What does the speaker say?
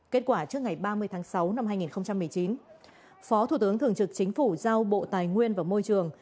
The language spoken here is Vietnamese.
kết quả trước ngày ba mươi tháng sáu năm hai nghìn một mươi chín phó thủ tướng thường trực chính phủ giao bộ tài nguyên và môi trường